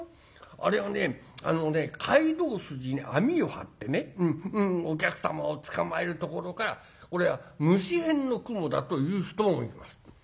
あれはねあのね街道筋に網を張ってねお客様を捕まえるところからこれは虫偏の蜘蛛だ」という人もいます。